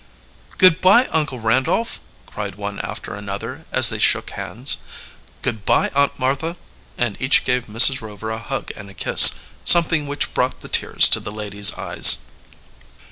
"Good by, Uncle Randolph!" cried one after another, as they shook hands. "Good by, Aunt Martha!" and each gave Mrs. Rover a hug and a kiss, something which brought the tears to the lady's eyes.